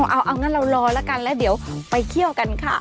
เอางั้นเรารอแล้วกันแล้วเดี๋ยวไปเที่ยวกันค่ะ